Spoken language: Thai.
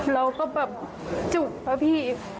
เราก็แบบจุ๊บพระพี่